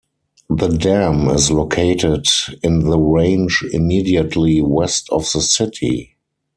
The dam is located in the range immediately west of the city.